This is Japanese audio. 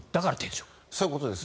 そういうことです。